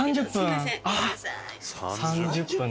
３０分？